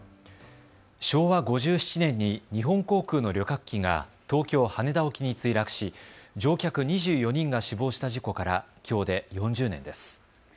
昭和５７年に日本航空の旅客機が東京・羽田沖に墜落し乗客２４人が死亡した事故からきょうで４０年です。